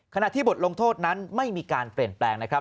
ขณะที่บทลงโทษนั้นไม่มีการเปลี่ยนแปลงนะครับ